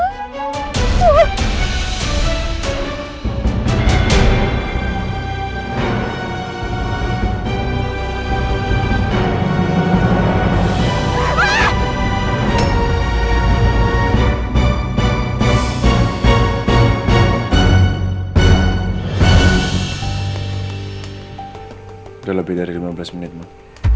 udah lebih dari lima belas menit mak